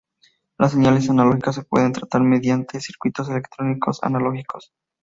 Las señales analógicas se pueden tratar mediante circuitos electrónicos analógicos.